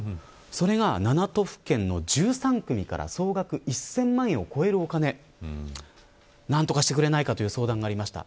それが７都府県の１３組から総額１０００万円を超えるお金何とかしてくれないかという相談がありました。